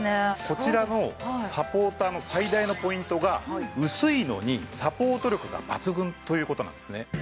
こちらのサポーターの最大のポイントが薄いのにサポート力が抜群という事なんですね。